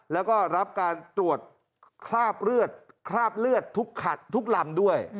แล้วก็รับการตรวจคราบเลือดคราบเลือดทุกขัดทุกลำด้วย